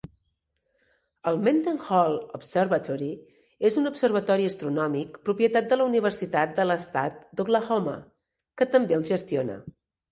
El Mendenhall Observatory és un observatori astronòmic propietat de la universitat de l'estat d'Oklahoma, que també el gestiona.